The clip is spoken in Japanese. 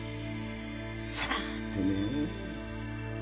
さあてね。